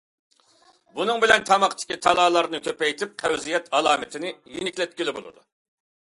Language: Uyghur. بۇنىڭ بىلەن تاماقتىكى تالالارنى كۆپەيتىپ، قەۋزىيەت ئالامىتىنى يېنىكلەتكىلى بولىدۇ.